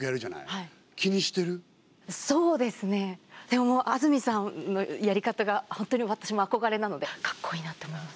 でももう安住さんのやり方が本当に私も憧れなのでかっこいいなって思います。